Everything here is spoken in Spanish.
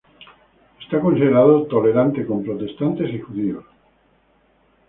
Fue considerado tolerante con protestantes y judíos.